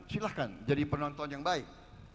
silahkan jadi penonton yang baik